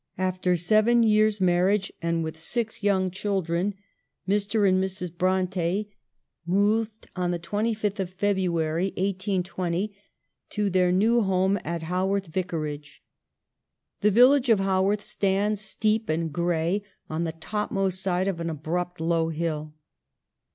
After seven years' marriage and with six young children, Mr. and Mrs. Bronte moved on the PARENTAGE. 19 25th of February, 1820, to their new home at Haworth Vicarage. The village of Haworth stands, steep and gray, on the topmost side of an abrupt low hill.